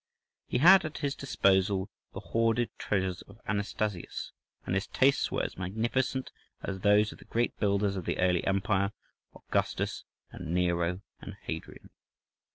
He had at his disposal the hoarded treasures of Anastasius, and his tastes were as magnificent as those of the great builders of the early empire, Augustus and Nero and Hadrian.